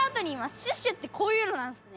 シュシュってこういうのなんですね。